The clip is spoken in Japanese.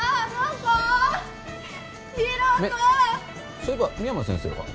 そういえば深山先生は？